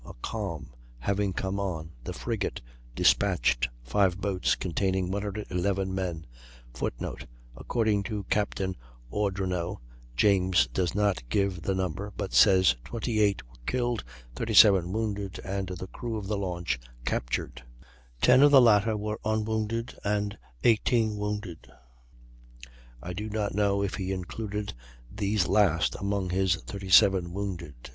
a calm having come on, the frigate despatched 5 boats, containing 111 men, [Footnote: According to Captain Ordronaux; James does not give the number, but says 28 were killed, 37 wounded, and the crew of the launch captured. Ten of the latter were unwounded, and 18 wounded. I do not know if he included these last among his "37 wounded."